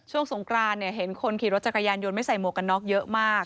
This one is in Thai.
สงกรานเนี่ยเห็นคนขี่รถจักรยานยนต์ไม่ใส่หมวกกันน็อกเยอะมาก